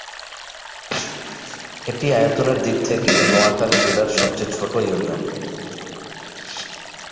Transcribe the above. এটি আয়তনের দিক থেকে নোয়াখালী জেলার সবচেয়ে ছোট ইউনিয়ন।